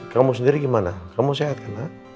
kamu sendiri gimana kamu sehat kan nak